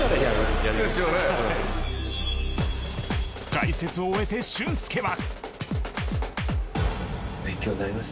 解説を終えて俊輔は。